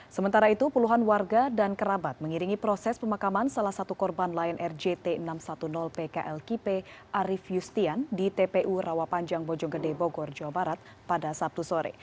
sementara itu puluhan warga dan kerabat mengiringi proses pemakaman salah satu korban lion air jt enam ratus sepuluh pklkp arief yustian di tpu rawapanjang bojonggede bogor jawa barat pada sabtu sore